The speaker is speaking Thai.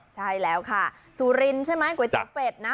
ใช่แล้วค่ะสุรินทร์ใช่ไหมก๋วยเตี๋ยวเป็ดนะ